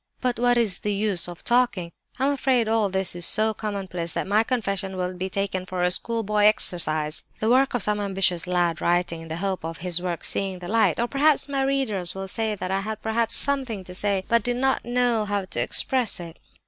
"But what is the use of talking? I'm afraid all this is so commonplace that my confession will be taken for a schoolboy exercise—the work of some ambitious lad writing in the hope of his work 'seeing the light'; or perhaps my readers will say that 'I had perhaps something to say, but did not know how to express it.